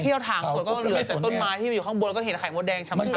ที่เอาถ่างส่วนก็เหลือต้นไม้ที่มันอยู่ข้างบนก็เห็นไขมัวแดงชำชำ